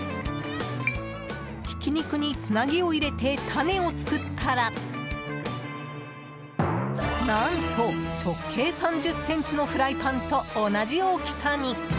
ひき肉につなぎを入れてタネを作ったら何と、直径３０ｃｍのフライパンと同じ大きさに。